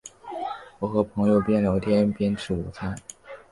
我和朋友边聊天边吃午餐